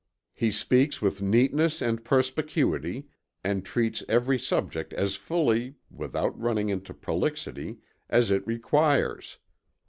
He speaks with neatness and perspicuity, and treats every subject as fully, without running into prolixity, as it requires.